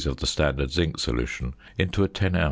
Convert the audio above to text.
of the standard zinc solution into a 10 oz.